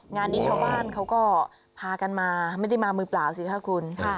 งานนี้ชาวบ้านเขาก็พากันมาไม่ได้มามือเปล่าสิค่ะคุณ